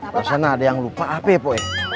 tersana ada yang lupa apa ya po